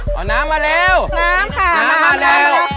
น้ำค่ะน้ำมะแล้วค่ะ